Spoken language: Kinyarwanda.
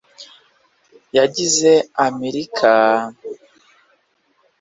yagize amerika…